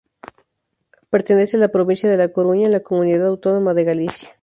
Pertenece a la provincia de La Coruña, en la comunidad autónoma de Galicia.